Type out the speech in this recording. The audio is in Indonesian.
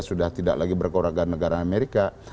sudah tidak lagi berkeluarga negara amerika